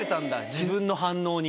自分の反応に。